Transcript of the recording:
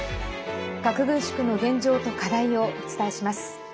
核軍縮の現状と課題をお伝えします。